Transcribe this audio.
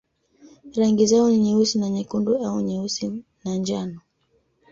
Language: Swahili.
Rangi zao ni nyeusi na nyekundu au nyeusi na njano.